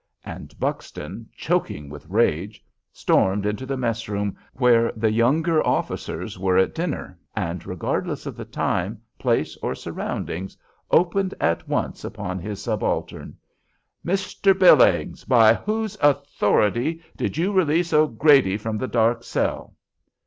And Buxton, choking with rage, stormed into the mess room, where the younger officers were at dinner, and, regardless of the time, place, or surroundings, opened at once upon his subaltern: "Mr. Billings, by whose authority did you release O'Grady from the dark cell?"